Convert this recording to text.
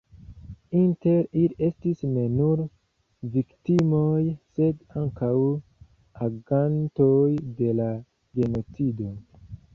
Inter ili estis ne nur viktimoj, sed ankaŭ agantoj de la genocido.